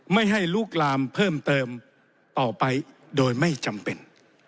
ไม่ให้ลุกลามเพิ่มเติมต่อไปโดยไม่จำเป็น